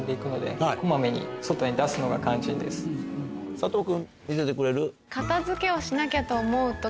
佐藤君見せてくれる？